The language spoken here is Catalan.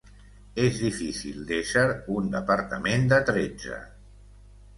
És difícil d’ésser un departament de tretze.